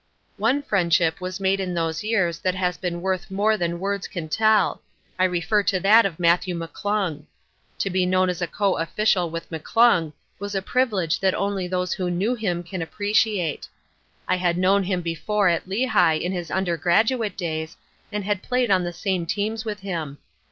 "One friendship was made in these years that has been worth more than words can tell. I refer to that of Matthew McClung. To be known as a co official with McClung was a privilege that only those who knew him can appreciate. I had known him before at Lehigh in his undergraduate days, and had played on the same teams with him.